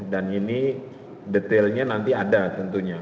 dan ini detailnya nanti ada tentunya